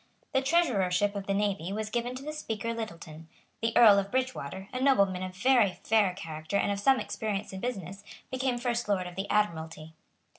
The Treasurership of the Navy was given to the Speaker Littleton. The Earl of Bridgewater, a nobleman of very fair character and of some experience in business, became First Lord of the Admiralty.